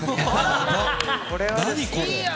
何これ？